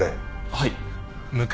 はい。